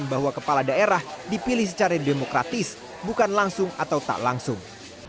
bahwa kepala daerah dipilih secara demokratis bukan langsung atau tak langsung